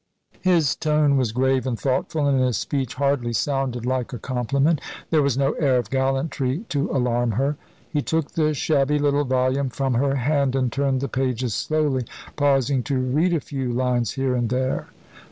His tone was grave and thoughtful, and his speech hardly sounded like a compliment. There was no air of gallantry to alarm her. He took the shabby little volume from her hand, and turned the pages slowly, pausing to read a few lines, here and there.